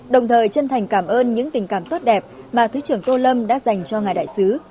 đồng thời chân thành cảm ơn những tình cảm tốt đẹp mà thứ trưởng tô lâm đã dành cho ngài đại sứ